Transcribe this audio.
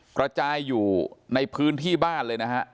กระจายอยู่ในพื้นที่บ้านเลยนะฮะ